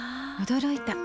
驚いた。